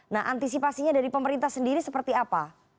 nah antisipasinya dari pemerintah sendiri seperti apa